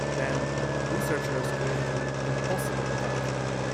Then, researchers created an impossible event.